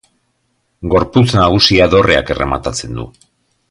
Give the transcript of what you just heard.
Gorputz nagusia dorreak errematatzen du.